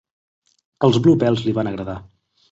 Els Bluebells li van agradar.